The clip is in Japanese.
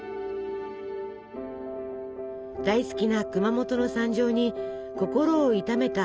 大好きな熊本の惨状に心を痛めた吉崎さん。